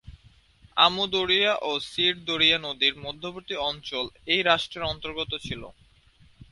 আমু Darya ও Syr Darya নদীর মধ্যবর্তী অঞ্চল এই রাষ্ট্রের অন্তর্গত ছিল।